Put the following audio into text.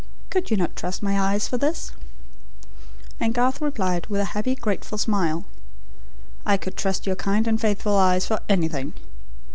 Could you not trust my eyes for this?" And Garth replied, with a happy, grateful smile: "I could trust your kind and faithful eyes for anything.